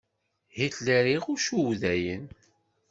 Hitler iɣuc Udayen.